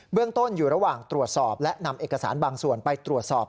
เรื่องต้นอยู่ระหว่างตรวจสอบและนำเอกสารบางส่วนไปตรวจสอบ